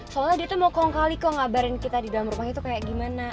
soalnya dia tuh mau kong kali kok ngabarin kita di dalam rumah itu kayak gimana